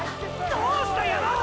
どうした山王！！